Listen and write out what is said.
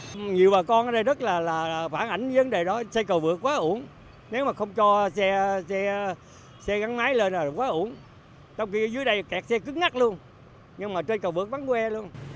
xe gắn máy lên là quá ủn trong khi dưới đây kẹt xe cứng ngắt luôn nhưng mà trên cầu vượt bắn que luôn